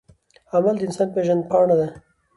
عمل د انسان پیژندپاڼه ده.